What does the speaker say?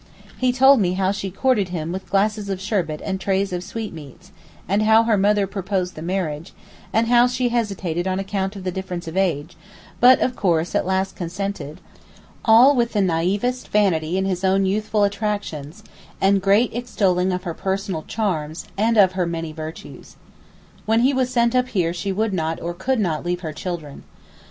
He told me how she courted him with glasses of sherbet and trays of sweatmeats, and how her mother proposed the marriage, and how she hesitated on account of the difference of age, but, of course, at last consented: all with the naïvest vanity in his own youthful attractions, and great extolling of her personal charms, and of her many virtues. When he was sent up here she would not, or could not, leave her children.